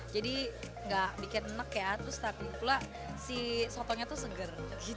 jadi gak bikin enak kayak atus tapi pula si sotonya tuh seger